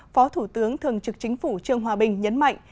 phó thủ tướng thường trực chính phủ trương hòa bình nhấn mạnh